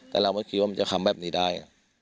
แต่เราไม่คิดว่ามันจะทำแบบนี้ได้